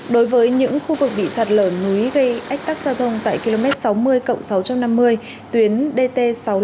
đối với những khu vực bị sạt lở núi gây ách tắc giao thông tại km sáu mươi sáu trăm năm mươi tuyến dt sáu trăm linh sáu